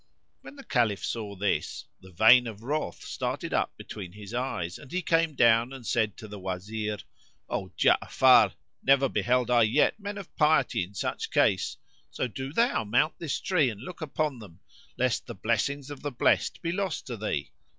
'" When the Caliph saw this, the vein of wrath started up between his eyes and he came down and said to the Wazir, "O Ja'afar, never beheld I yet men of piety in such case; so do thou mount this tree and look upon them, lest the blessings of the blest be lost to thee."